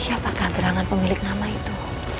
siapakah gerangan pemilik nama itu